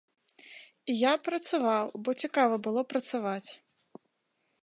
І я працаваў, бо цікава было працаваць.